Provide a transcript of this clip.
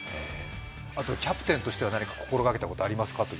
あとキャプテンとして何か心がけたことはありますかと。